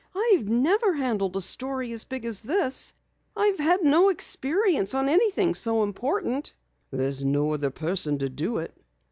"I've never handled a story as big as this I've had no experience on anything so important." "There's no other person to do it."